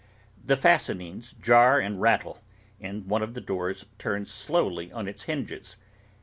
The fastenings jar and rattle, and one of the doors turns slowly on its hinges.